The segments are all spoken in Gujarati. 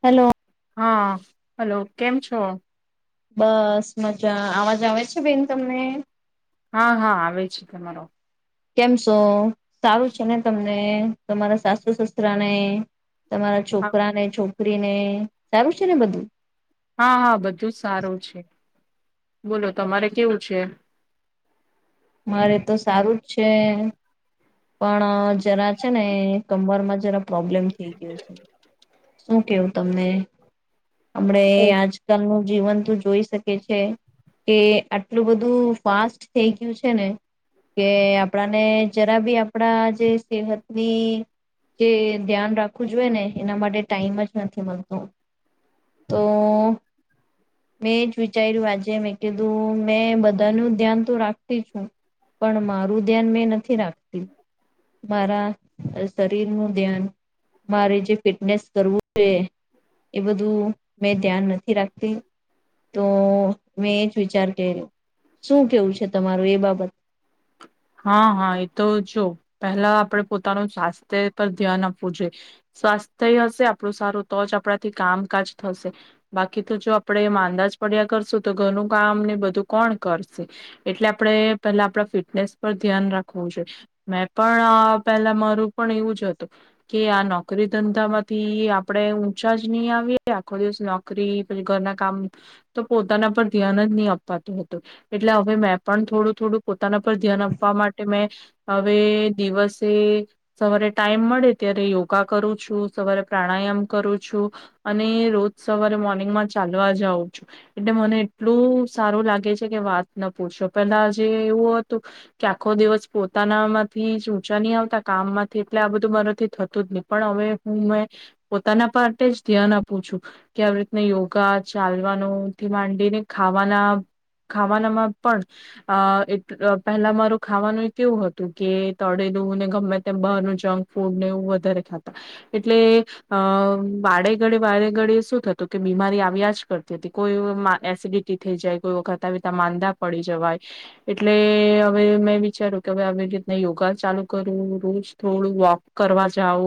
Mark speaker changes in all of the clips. Speaker 1: હેલો.
Speaker 2: હાં, હલો કેમ છો?
Speaker 1: બસ મજા, આવાજ આવે છે બેન તમને?
Speaker 2: હા, હા, આવે છે તમારો.
Speaker 1: કેમ છો? સારું છે ને તમને? ને તમારા સાસુ સસરા ને. તમારા છોકરાને છો કરીને સારું છે ને બધું?
Speaker 2: હા, હા બધું સારું છે, બોલો તમારે કેવું છે?
Speaker 1: મારે તો સારું જ છે, પણ જરા છે ને કમરમાં જરા પ્રોબ્લેમ થઈ ગયો છે, શું કેવું તમને? અમણે એ આજકાલ નું જીવન તું જોઈ શકે છે કે આટલું બધું ફાસ્ટ થેઈ ગયું છ છે ને કે આપણાને જરા બી આપડા જે સેહતની જે ધ્યાન રાખવું જોઈએ ને એના માટે ટાઈમ જ નથી મલતો, તો મેં જ વિચાયરુ આજે મેં કીધું મેં બધાનું ધ્યાન તો રાખ ખતી છું, પણ મારું ધ્યાન મેં નથી રાખતી, મારા સ શરીરનું ધ્યાન મારે જે ફિટનેસ કરવું છે એ બધું મેં ધ્યાન નથી રાખતી, તો મેં એજ વિચાર કયરો, શું કેવું છે ત તમારું એ બાબત
Speaker 2: હાં, હાં એ તો જો પહેલા આપડે પોતાનું સ્વાસ્થ્ય પર ધ્યાન આપવું જોઈ, સ્વાસ્થ્ય હશે આપણું સારું તો જ આપણાથી કામકાજ થશે, બાકી તો જો આપડણે માંંદાજ પડ્યા કરશું તો ઘરનું કામ ને બધું કોણ કરશે? એટલે આપણે પેલા આપણા ફિટ નેસ પર ધ્યાન રાખવું જોઈએ, મેં પણ અ પેલા મારું પણ એવું જ હતું કે આ નોકરી ધંધામાંથી આપણેે ઊંચા જ ની આવીએ આખો દિવસ નોકરી પછી ઘરના કામ તો પોતાના પર ધ્યાન જ ની અપાતું હતું, એટલે અવે મેં પણ થોડું થોડું પોતાના પર ધ્યાન આપવા માટે મેં હવે દિવસે સવારે ટાઈમ મળે ત્યારે યોગા કરું છું, સવારે પ્રાણાયામ કરું છું અને રોજ સવારે મોર્નિંગમાં ચાલવા જાઉં છું એટલે મને એટલું સારું લાગે છે કે વાત ન પૂછો, પેલાજે એવું તો કે આખો દિવસ પોતાનામાંથી જ ઊંચા ની આવતા, કામ માંથી એટલે આ બધું મારાથી થતું જ ની, પણ હવે હું મે પોતાના માટે જ ધ્યાન આપું છું કે આવી રીતને યોગા ચાલવાનું થી માંડીને ખાવાના ખાવાનામાં પણ અ એ ક પહેલા મારું ખાવાનુંય કેવું હતું કે તળેલુંને ગમે તેમ બહારનું જંક ફૂડ ને એવું વધારે ખાતા, એટલે અ વાળેગળે વાળે ગળે શું થતું કે બીમારી આવ્યા જ કરતી તી, કોઈ એસિડિટી થઈ જાય કોઈ વખતા આવીતા માંદા પડી જવાય એટલે અવે મેં વિચાર્યું કે હવે આવી રીતના યોગા ચાલુ કરું રોજ થોડું વોક કરવા જઉં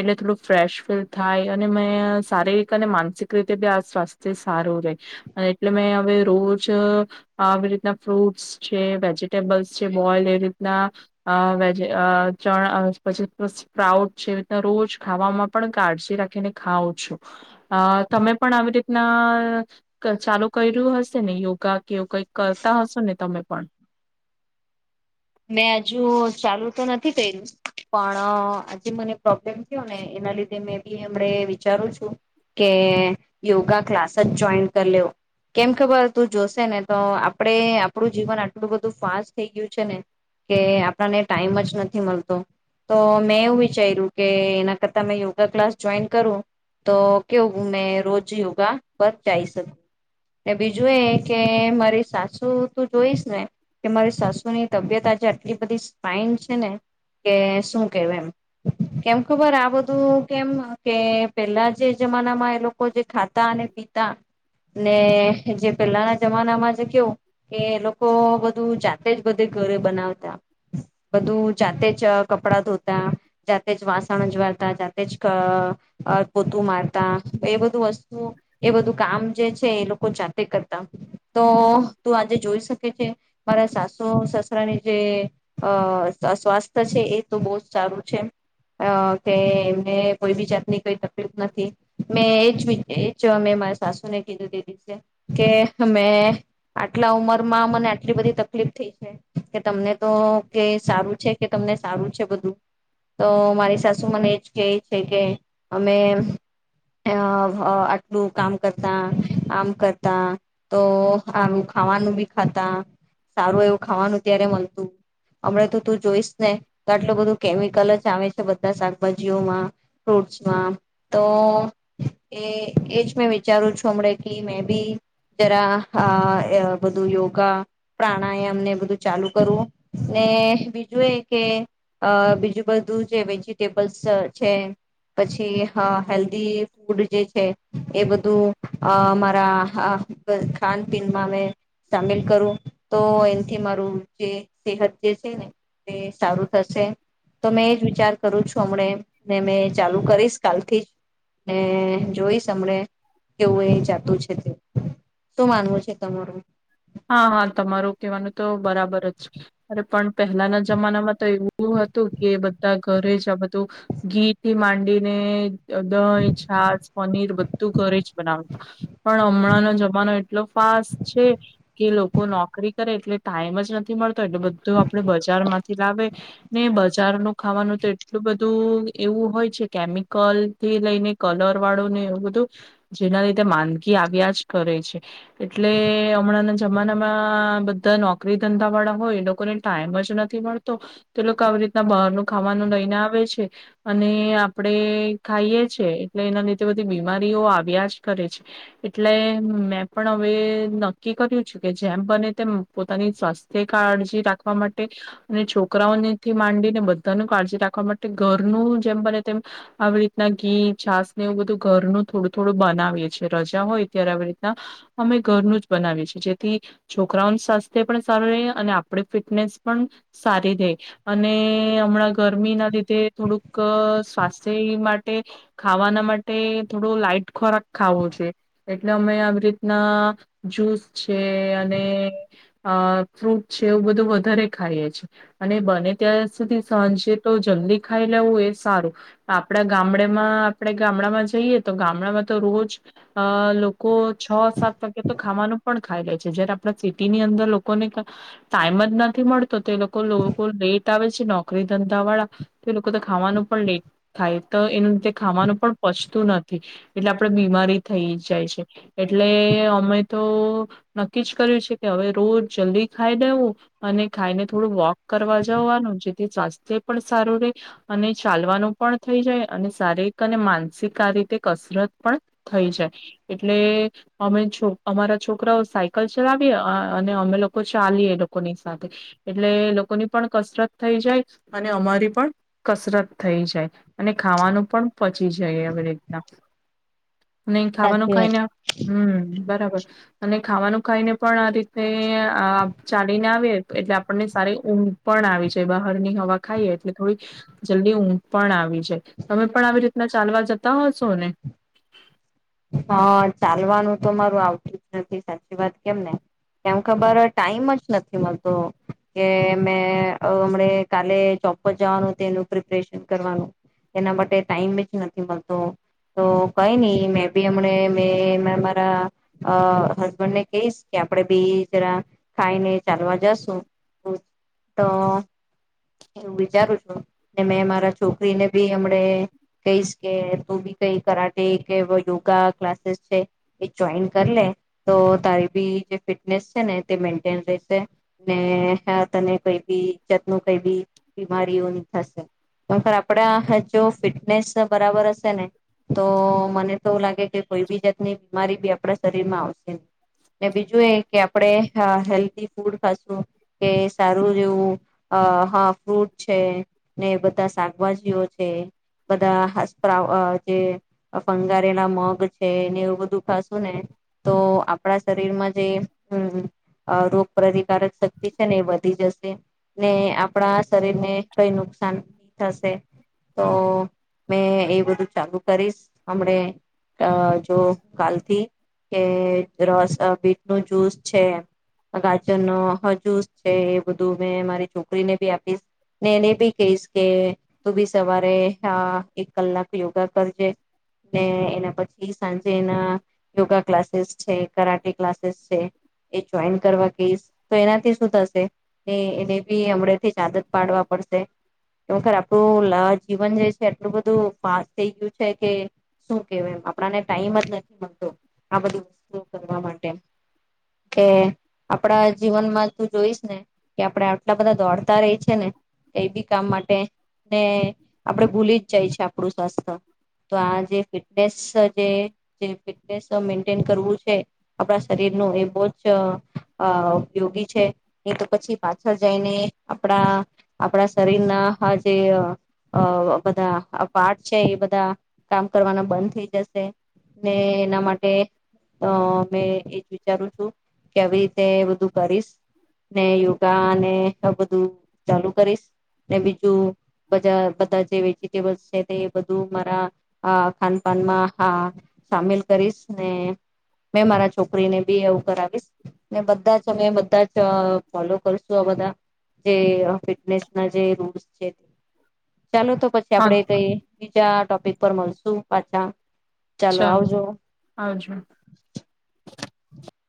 Speaker 2: એટલે થોડું ફ્રેશ ફીલ થાય અને મેં શારીરિક અને માનસિક રીતે બી આ સ્વાસ્થ્ય સારું રેહ અને એટલે મેં અવે રોજ આવી રીતના ફ્રૂટ્સ છે વેજીિટેબલ્સ છે બોઇલ્ડ એવી રીતના અ વેજ અ ચણા પછી સ્પ્રાઉટ છે એવી રીતના રોજ ખાવામાં પણ કાળજી રાખીને ખાઉ છું, અ તમે પણ આવી રીતના ક ચાલુ કર્યું હશે ને યોગા કે એવું કંઈક કરતા હશો ને તમે પણ
Speaker 1: મેં અજુ ચાલુ તો નથી કયરુ પણ આજે મને પ્રોબ્લેમ થયો ને એના લીધે મેં બી અમણે વિચારું છું કે યોગા ક્લાસ જ જોઈન કરી લેવ, કેમ કે બ તું જોશે ને તો આપડે આપડુ જીવન આટલું બધું ફાસ્ટ થેઈ ગયું છે ને કે આપણાને ટાઈમ જ નથી મળતો, તો મેં એવું વિચાર્યું કે એના કરતા મે યોગા ક્લાસ જોઈન કરું, તો કેવું મેં રોજ યોગા પર જાઈ શકું, એ બીજું એ કે મારી સાસુ તું જોઈશ ને કે મારી સાસુની તબિયત આજે આટલી બધી ફાઈન છે ને કે શું કેવ એમ, કેમ ખબર આ બધું કેમ કે પેલ્લા જે જમાનામાં એ લોકો જે ખાતા અને પીતા ને જે પેલ્લાના જમાનામાં જે કેવું કે એ લોકો બધું જાતે જ બધું ઘરે બનાવતા, બધું જાતે જ કપડા ધોતા, જાતે જ વાસણ અજવાળતા, જાતે જ ક પોતું મારતા, એ બધું વસ્તુ એ બધું કામ જે છે એ લોકો જાતે કરતા, તો તું આજે જોઈ શકે છે મારા સાસુ તો સસરાની જે અ સ્વ સ્વાસ્થ્ય છે એ તો બો જ સારું છે અ કે કે કોઈ બી જાતની કોઈ તકલીફ નથી, મેં એજ વિ એ જ મેં મારા સાસુને [unintelligible] છે કે મેં આટલા ઉંમરમાં મને આટલી બધી તકલીફ થેઈ છે કે તમને તો કે સારું છે કે તમને સારું છે બધું, તો મારી સાસુ મને એજ કેય છે કે અમે અ આટલું કામ કરતા આમ કરતા તો આમ ખાવાનું બી ખાતા સારું એવું ખાવાનું ત્યારે મલતું, અમણાં તો તું જોઈશ ને તો આટલું બધું કેમિકલ જ આવે તો બધા શાકભાજીઓમાં ફૂટસમાં, તો એ એજ મેં વિચારું છું અમણે કી મેં બી જરા આ બધું યોગા પ્રાણાયામ ને બધું ચાલુ કરવું ને બીજું એ કે અ બીજું બધું જે વેજીિટેબલ્સ છે પછી હ હેલ્ધી ફૂડ જે છે, એ બધું અ અમારા અ ખાન પીનમાં મેં સામેલ કરું તો એનથી મારું જે સેહત જે છે ને તે સારું થશે, તો મેં એજ વિચાર કરું છું હમણે ને મેં ચાલુ કરીશ કાલથી ને જોઈશ અમણે કેવું એ જાતું છે તે, શું માનવું છે તમારું?
Speaker 2: હા, હા, તમારું કેહવાનું તો બરાબર જ, અરે પણ પહેલાના જમાનામાં તો એવું હતું કે બધા ઘરે જ આ બધું ઘી થી માંડીને દ દઈ, છાજ, પનીર બધું ઘરે જ બનાવતા પણ અમણાંનો જમાનો એટ એટલો ફાસ્ટ છે કે લોકો નોકરી કરે એટલે ટાઈમ જ નથી મળ તો એટલે બધું આપડે બજારમાંથી લાવે ને બજારનુ ખાવાનું તો એટલું બધું એવું હોય છે કેમિકલથી લઈને કલર વાળુંને એવું બધું જેના લીધે માંદગી આવ્યા જ કરે છે એટલે અમણાંના જમાનામાં બધા નોકરી ધંધા વાળા હોય એ લોકોને ટાઈમ જ નથી મળતો તે લોકો આવી રીતના બારનું ખાવાનું લઈને આવે છે અને આપણે ખાઈએ છે એટલે એના લીધે બધી બીમારીઓ આવ્યા જ કરે છે એટલે મેં પણ અવે નક્કી કર્યું છે કે જેમ બને તેમ પોતાની સ્વાસ્થ્ય કાળજી રાખવા માટે અને છોકરાઓનેથી માંડીને બધાનું કાળજી રાખવા માટે ઘરનું જેમ બને તેમ આવી રીતના ઘી, છાસ ને એવું બધું ઘરનું થોડું થોડું બનાવીએ છીએ, રજા હોય ત્યારે આવી રીતના અમે ઘરનું જ બનાવીએ છીએ. જે થી છોકરાઓનું સ્વાસ્થ્ય પણ સારું રેહ અને આપણી ફિટનેસ પણ સારી રેય અને અમણાં ગરમીના લીધે થોડુંક સ્વાસ્થ્ય માટે ખાવાના માટે થોડો લાઈટ ખોરાક ખાવો જોયે એટલે અમે આવી રીતના જુસ છે અને અ ફ્રૂટ છે એવું બધું વધારે ખાઈએ છે અને બને ત્યાં સુધી સાજે તો જલ્દી ખાઈ લેવું એ જ સારું, આપડા ગામડામાં આપડેણ ગામડામાં જઈએ તો ગામડામાં તો રોજ અ લોકો છ સાત વાગે તો ખાવાનું પણ ખાઈ લે છે, જયારે આપણા સિટીની અંદર લોકોને ક ટાઈમ જ નથી મળ તો તે લોકો લોકો લેટ તાવે છે નોકરી ધંધા વાળા તો એ લોકો તો ખાવાનું પણ લેટ થાય, તો એનુ તે ખાવાનું પણ પચતું નથી, એટલે આપડે બીમારી થઈ જાય છે એટલે અમે તો નક્કી જ કર્યું છે કે અવે રોજ જલ્દી ખાઈ લેવું અને ખાઈને થોડું વોક કરવા જવાનું, જેથી સ્વાસ્થ્ય પણ સારું રે અને ચાલવાનું પણ થઈ જાય અને શારીરિક અને માનસિક આ રીતે કસરત પણ થઈ જાય એટલે અમે છો અમારા છોકરાઓ સાયકલ ચલાવીએ અને અમે લોકો ચાલીએ એ લોકોની સાથે એટલે એ લોકોની પણ કસરત થઈ જાય અને અમારી પણ કસરત થઈ જાય અને ખાવાનું પણ પચી જાય આવી રીતના ને એ ખાવાનું
Speaker 1: સાચી વાત.
Speaker 2: ખાઈને હમમ બરાબ અ્ અને ખાવાનું ખાઈને પણ આ રીતે અ ચાલીને આવીયે એટલે આપણને સારી ઊંઘ પણ આવી જાય બહારની હવા ખાઈએ એટલે થોડી જલ્દી ઊંઘ પણ આવી જાય, તમે પણ આવી રીતના ચાલવા જતા હશો ને?
Speaker 1: હા, ચાલવાનું તો મારું આવતુ જ નથી, સાચી વાત કેમ ને કેમ ખબર ટાઈમ જ નથી મલતો કે મેં અમણે કાલે જોબ પર જવાનું એનું પ્રિપરેશન કરવાનું, એના માટે ટાઈમ જ નથી મલતો, તો કંઈ ની મે બી અમણે મેં મારા અ હસબન્ડ ને કેઈશ કે આપડે બી જરા ખાઈને ચાલવા જશુ, તો એવું વિચારું છું ને મેં મારા છોકરીને બી અમણે કહીશ કે તું બી કઈ કરાટે કે યોગ- ગા ક્લાસીસ છે એ જોઈન કરી લે, તો તારી બી જે ફિટનેસ છે ને તે મેન્ટેન રહેશે ને તને કઈ બી જાતનું કઈ બી બીમારીઓ ની થશે, પર આપડા જો હ અ જો ફિટનેસ બરાબર અશે ને તો મને તો લાગે કોઈ બી જાતની બીમારી બી આપણા શરીરમાં આવશે ન ને બીજું એ કે આપડે હ હેલ્ધી ફૂડ ખાશું કે સારું જેવું અ હ ફ્રૂટ છે ને બધા શાકભાજીઓ છે બધા હા સ્પાઉ અ જે ફં ગારેલા મગ છે ને એવું બધું ખાશું ને તો આપણા શરીર માં જે અ રોગ પ્રતિકારક શક્તિ છે ને એ વધી જશે ને આપણા શરીર ને કઈ નુકસાન થશે તો મેં એ બધું ચાલુ કરીશ હમણે અ જો કાલથી કે રસ બીટ નું જ્યુસ છે, ગાજરનો જુસ છે એ બધું મે મારી છોકરીને બી આપીશ ને એને બી કેઇસ કે તું બી સવા રે હ એક કલાક યોગા કરજે ને એના પછી સાંજે એના યોગા ક્લાસીસ છે, કરાટે ક્લાસીસ છે, એ જોઈન કરવા કેઇશ તો એનાથી શું થશે કે એને બી હમણેથી જ આદત પાડવા પડશે અમ ખર આપડું [unintelligible] જીવન જે છે એટલું બધું ફાસ્ટ થેઈ ગયું છે. કે શું કેવ એમ આપણાને ટાઈમ જ નથી તો આ બધું કરવા માટે કે આપણા જીવનમાં તું જોઈશ ને કે આપડે આટલા બધા દોડતા રેય છે ને કઈ બી કામ માટે ને આપડે ભૂલી જ જાય છે આપડુ સ્વાસ્થ્ય તો આ જે ફિટનેસ જે ને ફિટનેસ મેન્ટેન કરવું છે આપણા શરીરનું એ બો જ અ ઉપયોગી છે, નઈ તો પછી પાછળ જાઈને આપડા આપડા શરીરના જે અ બધા આ પાર્ટ છે એ બધા કામ કરવાના બંધ થઈ જશે ને એના માટે અ મેં એજ વિચારું છું કે આવી રીતે બધું કરીશ ને યોગાને બધું ચાલુ કરીશ ને બીજું બજા બધા જે વેજીટેબલ્સ છે તે બધું મારા- મારા અ ખાનપાનમાં હા સામેલ કરીશ ને મેં મારા છોકરીને બી આવું કરાવીશ ને બધા જ અમે બધા જ ફોલો કરશું આ બધા જે ફિટનેસના જે રૂલ્સ છે, ચાલો તો પછી
Speaker 2: હા
Speaker 1: આપડે કઈ ક્યા ટોપિક ઉપર મલશું પાછા
Speaker 2: ચાલો, આવજો.
Speaker 1: [inaudible]